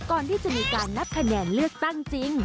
ก่อนที่จะมีการนับคะแนนเลือกตั้งจริง